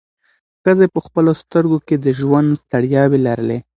ښځې په خپلو سترګو کې د ژوند ستړیاوې لرلې.